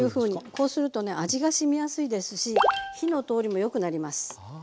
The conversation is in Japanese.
こうするとね味がしみやすいですし火の通りもよくなります。